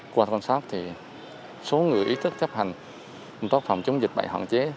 quảng nam số người ý thức chấp hành phòng chống dịch bệnh hoạn chế